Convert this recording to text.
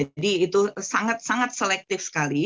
jadi itu sangat sangat selektif sekali